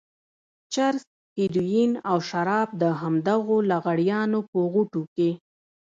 چرس، هيروين او شراب د همدغو لغړیانو په غوټو کې.